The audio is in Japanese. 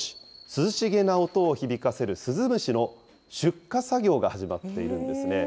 涼しげな音を響かせるスズムシの出荷作業が始まっているんですね。